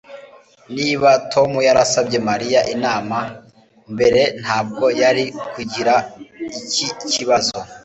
S Niba Tom yarasabye Mariya inama mbere ntabwo yari kugira iki kibazo